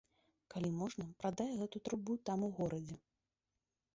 Калі можна, прадай гэту трубу там у горадзе.